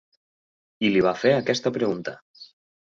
I li va fer aquesta pregunta.